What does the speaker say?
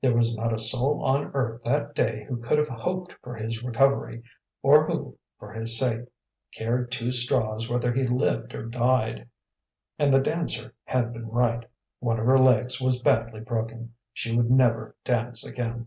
There was not a soul on earth that day who could have hoped for his recovery, or who for his sake cared two straws whether he lived or died. And the dancer had been right; one of her legs was badly broken: she would never dance again.